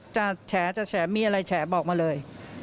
จะแฉจะแฉมีอะไรแฉบอกมาเลย